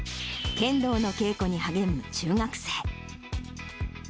剣道の稽古に励む中学生。